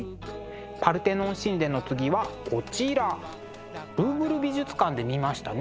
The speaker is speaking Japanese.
パルテノン神殿の次はこちらルーブル美術館で見ましたね。